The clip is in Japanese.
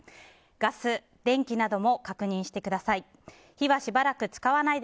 ガス、電気なども確認してください。